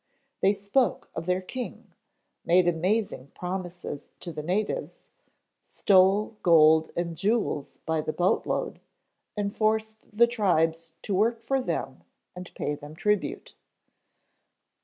They spoke of their king, made amazing promises to the natives, stole gold and jewels by the boat load, and forced the tribes to work for them and pay them tribute."